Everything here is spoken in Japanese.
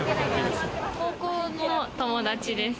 高校の友達です。